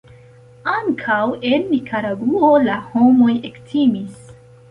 Ankaŭ en Nikaragŭo la homoj ektimis.